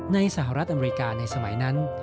สหรัฐอเมริกาในสมัยนั้น